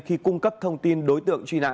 khi cung cấp thông tin đối tượng truy nã